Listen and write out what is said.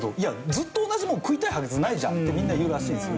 ずっと同じものを食いたいはずないじゃんってみんな言うらしいんですよ。